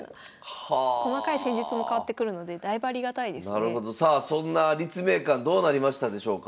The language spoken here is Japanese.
なるほどさあそんな立命館どうなりましたでしょうか？